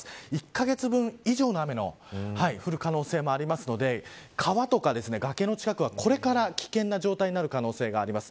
１カ月分以上の雨が降る可能性がありますので川とか崖の近くはこれから危険な状態になる可能性があります。